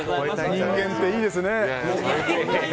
人間っていいですね。